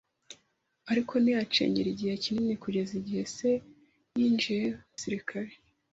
ariko ntiyacengera igihe kinini kugeza igihe se yinjiye mu gisirikare.